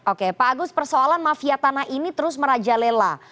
oke pak agus persoalan mafia tanah ini terus merajalela